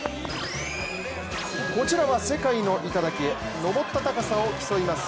こちらは世界の頂へ、登った高さを競います。